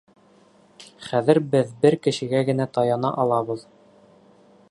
Хәҙер беҙ бер кешегә генә таяна алабыҙ.